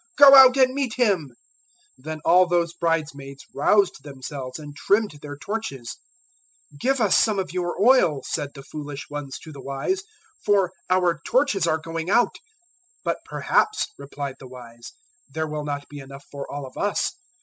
Go out and meet him!' 025:007 "Then all those bridesmaids roused themselves and trimmed their torches. 025:008 "`Give us some of your oil,' said the foolish ones to the wise, `for our torches are going out.' 025:009 "`But perhaps,' replied the wise, `there will not be enough for all of us.